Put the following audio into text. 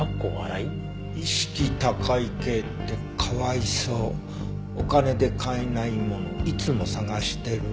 「意識高い系って可哀想」「お金で買えないものいつも探してる」